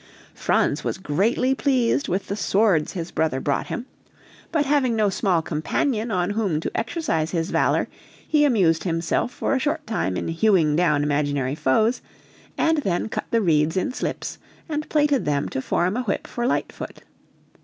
Franz was greatly pleased with the "swords" his brother brought him; but having no small companion on whom to exercise his valor, he amused himself for a short time in hewing down imaginary foes, and then cut the reeds in slips, and plaited them to form a whip for Lightfoot.